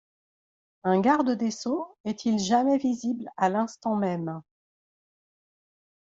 Un garde des sceaux est-il jamais visible à l’instant même?